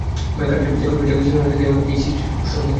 ম্যাকার্থির একুশ পৃষ্ঠার বিশ্লেষণ আছে কেইস হিস্ট্রির সঙ্গে।